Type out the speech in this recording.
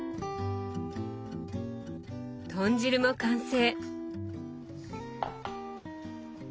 豚汁も完成。